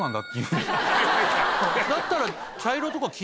だったら。